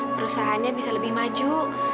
perusahaannya bisa lebih maju